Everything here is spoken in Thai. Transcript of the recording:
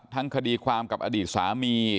คดีความกับอดีตสามี